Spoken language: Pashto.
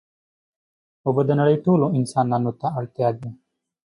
اوبه د نړۍ ټولو انسانانو ته اړتیا دي.